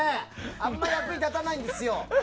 あまり役に立たないんですよ。